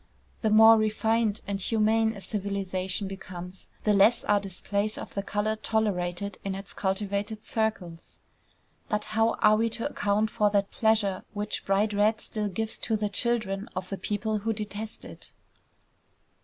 The more refined and humane a civilization becomes, the less are displays of the color tolerated in its cultivated circles. But how are we to account for that pleasure which bright red still gives to the children of the people who detest it?